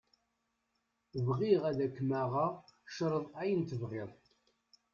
Bɣiɣ ad k-maɣeɣ, creḍ ayen tebɣiḍ.